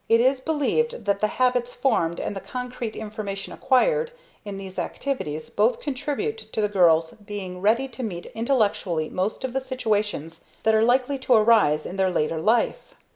It is believed that the habits formed and the concrete information acquired in these activities both contribute to the girls being ready to meet intelligently most of the situations that are likely to arise in their later life.